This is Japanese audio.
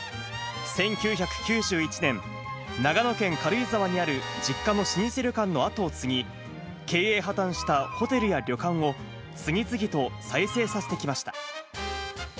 １９９１年、長野県軽井沢にある実家の老舗旅館の跡を継ぎ、経営破綻したホテルや旅館を、次々と再生させてきました。